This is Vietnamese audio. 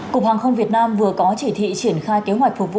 cục hàng không việt nam vừa có chỉ thị triển khai kế hoạch phục vụ